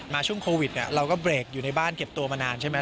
ช่วงโควิดเราก็เบรกอยู่ในบ้านเก็บตัวมานานใช่ไหม